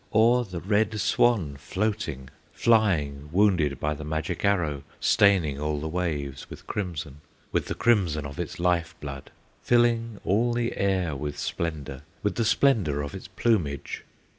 Or the Red Swan floating, flying, Wounded by the magic arrow, Staining all the waves with crimson, With the crimson of its life blood, Filling all the air with splendor, With the splendor of its plumage?